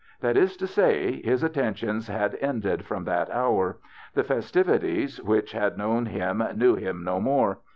That is to say, his attentions had ended from that hour. The festivities which had known him knew him no more.